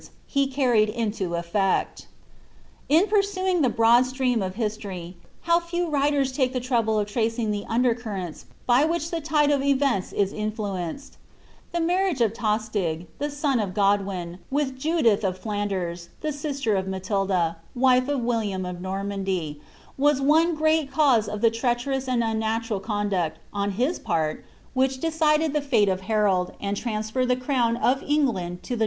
^, he carricil into eflect In purauing the broad stream of history, how few writers take the trouble of tracing the under currents by which the tide of events is influ enced ! The marriage of Tostig, the son of Godwin, witli Judith of Flanders, the sister of Matilda, wife of William of Normandy, was one great cause of the treacherous and unnatural conduct, on his part, which decided the fitte of Harold, and transferred the crown o{ England to the ' Henderton^t Life 0/ ViiDimm tiie Conqueror.